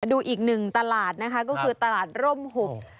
ดูอีกหนึ่งตลาดนะคะก็คือตลาดร่มหก